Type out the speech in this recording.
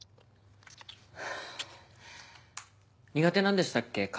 苦手なんでしたっけ？